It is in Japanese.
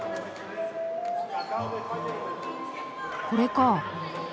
これか。